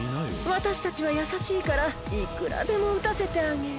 わたしたちはやさしいからいくらでもうたせてあげる。